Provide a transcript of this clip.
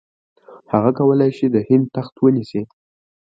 هغه کولای شي د هند تخت ونیسي.